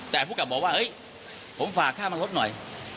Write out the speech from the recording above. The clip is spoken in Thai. แต่ผู้กลับบอกว่าเฮ้ยผมฝากค่ามันรถหน่อย